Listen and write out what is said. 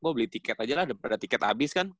gua beli tiket aja lah udah tiket abis kan